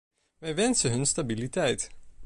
Wij wensen hun stabiliteit.